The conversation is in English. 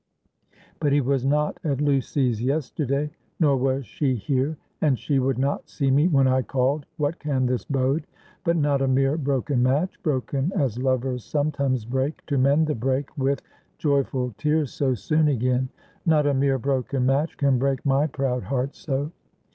But he was not at Lucy's yesterday; nor was she here; and she would not see me when I called. What can this bode? But not a mere broken match broken as lovers sometimes break, to mend the break with joyful tears, so soon again not a mere broken match can break my proud heart so.